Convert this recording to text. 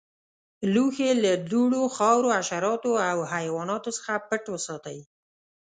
لوښي له دوړو، خاورو، حشراتو او حیواناتو څخه پټ وساتئ.